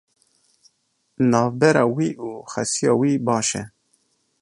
Navbera wî û xesûya wî baş e.